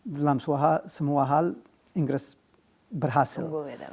dalam semua hal inggris berhasil